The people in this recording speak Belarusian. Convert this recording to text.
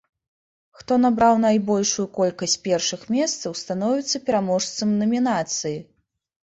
Хто набраў найбольшую колькасць першых месцаў становіцца пераможцам намінацыі.